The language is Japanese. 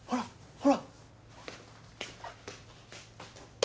ほら。